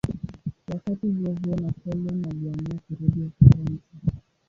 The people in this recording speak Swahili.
Wakati huohuo Napoleon aliamua kurudi Ufaransa.